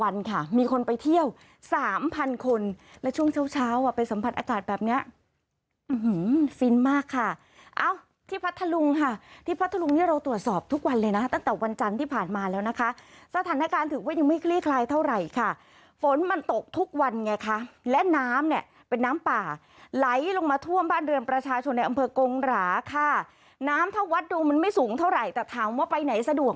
แล้วช่วงเช้าเช้าอ่ะไปสัมผัสอากาศแบบเนี้ยอื้อหือฟินมากค่ะเอ้าที่พัทธลุงค่ะที่พัทธลุงนี่เราตรวจสอบทุกวันเลยนะตั้งแต่วันจันทร์ที่ผ่านมาแล้วนะคะสถานการณ์ถือว่ายังไม่คลี่คลายเท่าไหร่ค่ะฝนมันตกทุกวันไงค่ะและน้ำเนี้ยเป็นน้ำป่าไหลลงมาท่วมบ้านเรือนประชาชนในอ